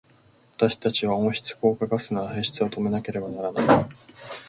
私たちは温室効果ガスの排出を止めなければならない。